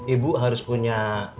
ibu harus punya